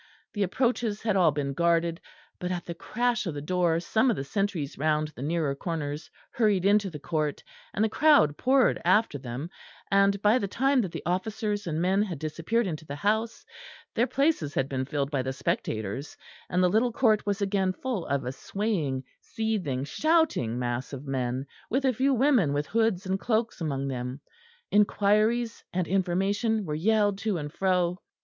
The approaches had all been guarded, but at the crash of the door some of the sentries round the nearer corners hurried into the court, and the crowd poured after them; and by the time that the officers and men had disappeared into the house, their places had been filled by the spectators, and the little court was again full of a swaying, seething, shouting mass of men, with a few women with hoods and cloaks among them inquiries and information were yelled to and fro.